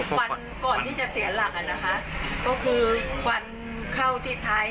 วันก่อนที่จะเสียหลักอ่ะนะคะก็คือควันเข้าที่ท้าย